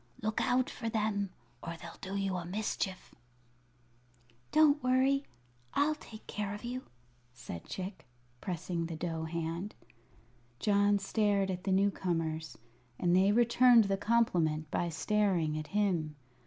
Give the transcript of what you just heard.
"Look out for them, or they'll do you a mischief." "Don't worry; I'll take care of you," said Chick, pressing the dough hand. John stared at the new comers, and they returned the compliment by staring at him.